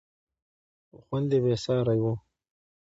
خو خوند یې بېساری و.